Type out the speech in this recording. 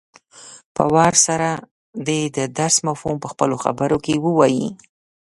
په وار سره دې د درس مفهوم په خپلو خبرو کې ووايي.